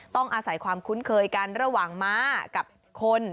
ต้องอาศัยความคุ้นเคยกันระหว่างม้ากับคน